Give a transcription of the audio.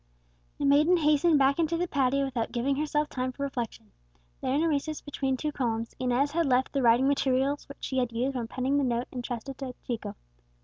The maiden hastened back into the patio without giving herself time for reflection. There, in a recess between two columns, Inez had left the writing materials which she had used when penning the note intrusted to Chico.